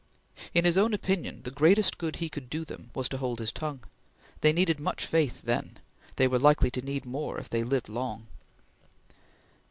In his own opinion the greatest good he could do them was to hold his tongue. They needed much faith then; they were likely to need more if they lived long.